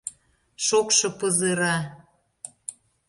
Шокшо пызыра.